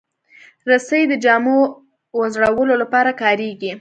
رسۍ د جامو وځړولو لپاره کارېږي.